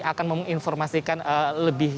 akan menginformasikan lebih